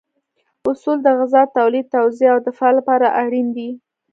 اصول د غذا تولید، توزیع او دفاع لپاره اړین دي.